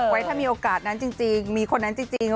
ถ้ามีโอกาสนั้นจริงมีคนนั้นจริง